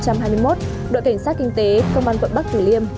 cuối tháng năm năm hai nghìn hai mươi một đội cảnh sát kinh tế công an quận bắc thủy liêm